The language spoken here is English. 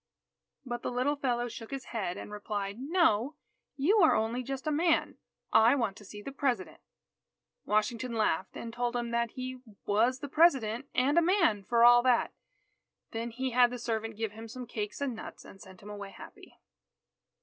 But the little fellow shook his head, and replied: "No, you are only just a man. I want to see the President." Washington laughed, and told him that he was the President and a man for all that. Then he had the servant give him some cakes and nuts, and sent him away happy.